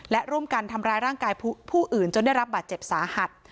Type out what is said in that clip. และร่วมกันทำร้ายร่างกายผู้อื่นจนได้รับบาดเจ็บสาหัส